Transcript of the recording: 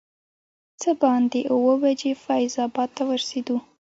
څه باندې اووه بجې فیض اباد ته ورسېدو.